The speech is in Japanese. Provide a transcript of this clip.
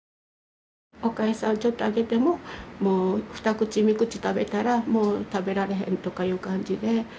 おかゆさんをちょっとあげてももう２口３口食べたらもう食べられへんとかいう感じで。